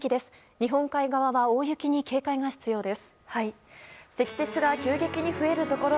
日本海側は大雪に警戒が必要です。